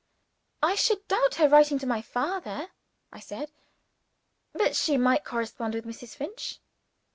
"I should doubt her writing to my father," I said. "But she might correspond with Mrs. Finch."